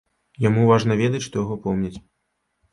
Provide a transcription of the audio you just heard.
Яму важна ведаць, што яго помняць.